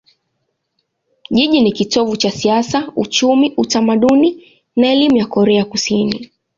Jiji ni kitovu cha siasa, uchumi, utamaduni na elimu ya Korea Kusini.